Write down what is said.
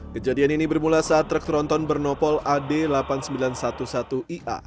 kejadian ini bermula saat truk tronton bernopol ad delapan ribu sembilan ratus sebelas ia